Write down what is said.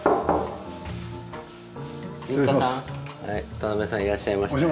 渡辺さんいらっしゃいましたよ。